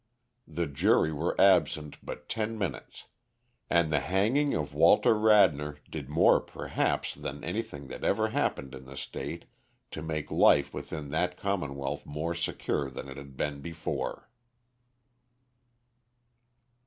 The jury were absent but ten minutes, and the hanging of Walter Radnor did more perhaps than anything that ever happened in the State to make life within that commonwealth more secure than it had been before.